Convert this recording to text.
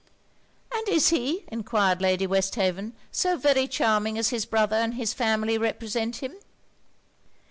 'And is he,' enquired Lady Westhaven, 'so very charming as his brother and his family represent him?'